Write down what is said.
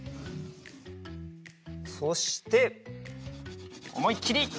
そしておもいっきりぬります。